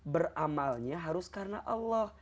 beramalnya harus karena allah